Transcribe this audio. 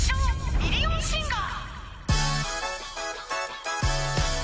ミリオンシンガー』